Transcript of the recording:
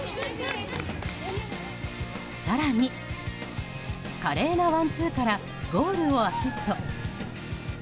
更に、華麗なワンツーからゴールをアシスト。